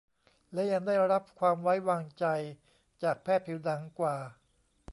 และยังได้รับความไว้วางใจจากแพทย์ผิวหนังกว่า